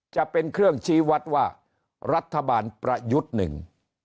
จะเป็นเครื่องชี้วัดว่ารัฐบาลประยุทธ์หนึ่ง